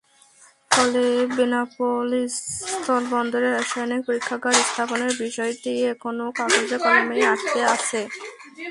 ফলে বেনাপোল স্থলবন্দরে রাসায়নিক পরীক্ষাগার স্থাপনের বিষয়টি এখনো কাগজে-কলমেই আটকে আছে।